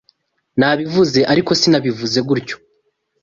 Nabivuze, ariko sinabivuze gutyo.